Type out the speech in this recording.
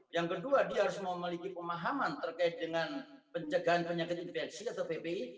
yang kedua dia harus memiliki pemahaman terkait dengan pencegahan penyakit infeksi atau ppi